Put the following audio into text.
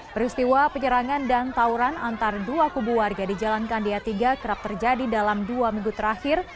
peristiwa penyerangan dan tawuran antara dua kubu warga di jalan kandia tiga kerap terjadi dalam dua minggu terakhir